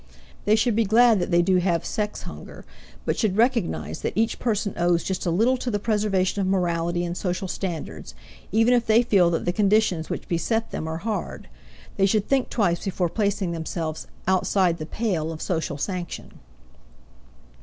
They should be glad that they do have "sex hunger," but should recognize that each person owes just a little to the preservation of morality and social standards; even if they feel that the conditions which beset them are hard, they should think twice before placing themselves "outside the pale of social sanction."